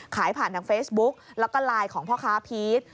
ขายผ่านทางเฟซบุ๊กแล้วก็ไลน์ของพ่อค้าพีช